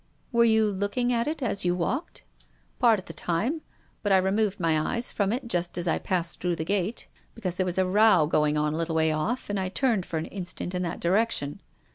" Were you looking at it as you walked ?"" Part of the time. But I removed my eyes from it just as I passed through the gate, because there was a row going o!i a little way off, and I turned for an instant in that direction.